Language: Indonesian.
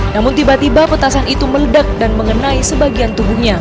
namun tiba tiba petasan itu meledak dan mengenai sebagian tubuhnya